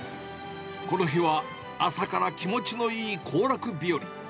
この日は、朝から気持のいい行楽日和。